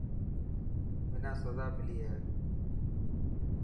منا سزا ملي هي.